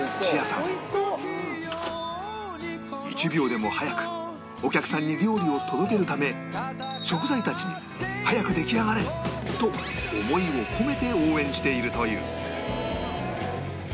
「美味しそう！」１秒でも早くお客さんに料理を届けるため食材たちに「早く出来上がれ！」と思いを込めて応援しているという